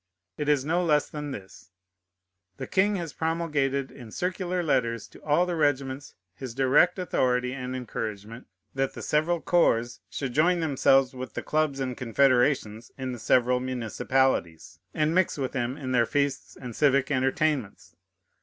It is no less than this: The king has promulgated in circular letters to all the regiments his direct authority and encouragement, that the several corps should join themselves with the clubs and confederations in the several municipalities, and mix with them in their feasts and civic entertainments!